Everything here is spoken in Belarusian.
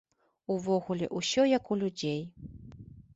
Увогуле, усё як у людзей.